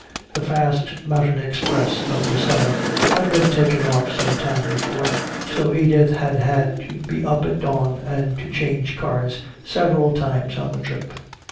The fast mountain express of the summer had been taken off some time before, so Edith had had to be up at dawn and to change cars several times on the trip.